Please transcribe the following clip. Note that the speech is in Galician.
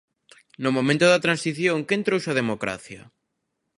No momento da transición, quen trouxo a democracia?